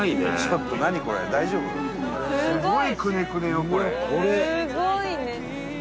すごいね！